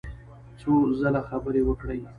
څو ځله خبرې وکړې.